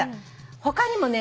他にもね